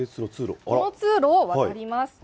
この通路を渡ります。